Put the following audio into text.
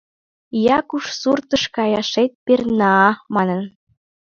Якуш суртыш каяшет перна-а, — манын.